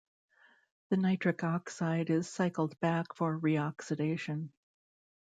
The nitric oxide is cycled back for reoxidation.